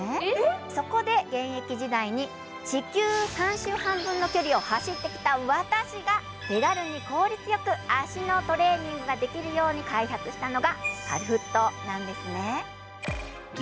そこで現役時代に地球３周半分の距離を走ってきた私が、手軽に効率よく足のトレーニングができるように開発したのがカルフットなんですね。